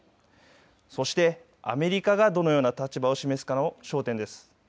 そしてアメリカがどのような立場を示すのかも焦点です。